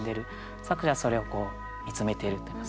作者はそれを見つめているといいますかね。